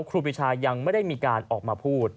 ครูปีชายังไม่ได้มีการออกมาพูด